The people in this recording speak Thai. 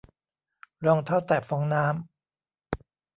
รองเท้าแตะฟองน้ำ